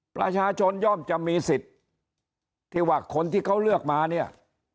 ประชาชนย่อมจะมีสิทธิ์ที่ว่าคนที่เขาเลือกมาเนี่ย